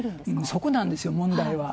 そこなんですよ、問題は。